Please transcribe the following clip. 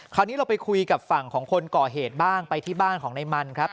คราวนี้เราไปคุยกับฝั่งของคนก่อเหตุบ้างไปที่บ้านของในมันครับ